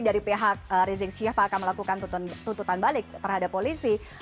dari pihak rizik syihab akan melakukan tuntutan balik terhadap polisi